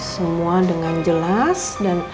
semua dengan jelas dan